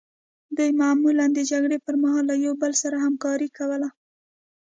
دوی معمولا د جګړې پرمهال له یو بل سره همکاري کوله.